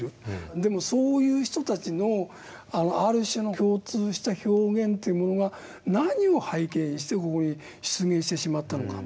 でもそういう人たちのある種の共通した表現というものが何を背景にしてここに出現してしまったのか。